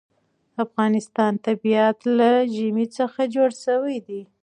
د افغانستان طبیعت له ژمی څخه جوړ شوی دی.